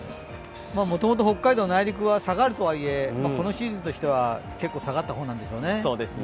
もともと北海道、内陸は下がるとはいえ、このシーズンとしては結構下がったほうなんですよね。